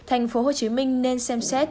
thành phố hồ chí minh nên xem xét